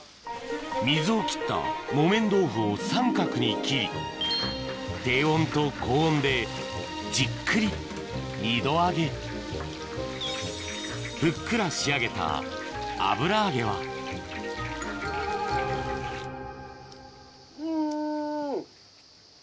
水を切った木綿豆腐を三角に切り低温と高温でじっくり二度揚げふっくら仕上げた油揚げはうん！